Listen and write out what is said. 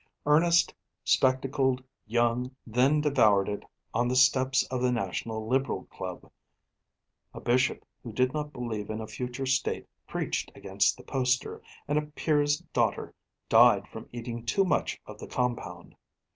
Earnest, spectacled young men devoured it on the steps of the National Liberal Club. A bishop who did not believe in a future state preached against the poster, and a peer's daughter died from eating too much of the compound.